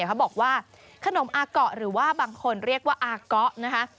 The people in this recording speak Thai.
เขาบอกว่าขนมอาเกาะหรือว่าบางคนเรียกว่าอาเกาะนะคะ